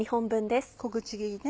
小口切りね。